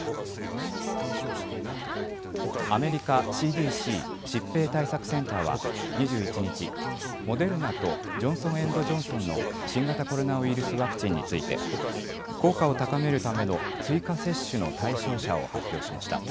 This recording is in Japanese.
アメリカＣＤＣ・疾病対策センターは２１日、モデルナとジョンソン・エンド・ジョンソンの新型コロナウイルスワクチンについて効果を高めるための追加接種の対象者を発表しました。